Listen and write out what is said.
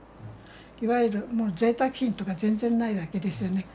いわゆるもうぜいたく品とか全然ないわけですよね。